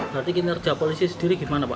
berarti ini kerja polisi sendiri gimana pak